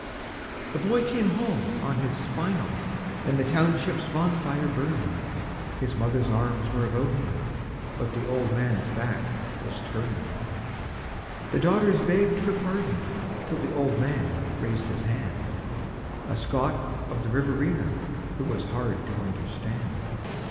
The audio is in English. The boy came home on his "final", and the township's bonfire burned. His mother's arms were about him; but the old man's back was turned. The daughters begged for pardon till the old man raised his hand A Scot of the Riverina who was hard to understand.